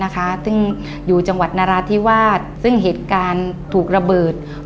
ซึ่งอยู่จังหวัดนราธิวาสซึ่งเหตุการณ์ถูกระเบิด